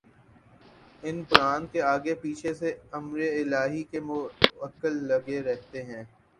ان پران کے آگے پیچھے سے امرِالٰہی کے مؤکل لگے رہتے ہیں